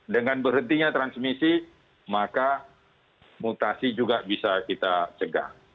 dengan berhentinya transmisi maka mutasi juga bisa kita cegah